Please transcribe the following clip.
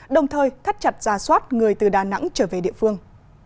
đồng thời thắt chặt ra soát người từ đà nẵng trở về địa phương